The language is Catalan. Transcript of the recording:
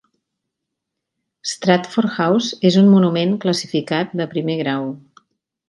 Stratford House és un monument classificat de primer grau.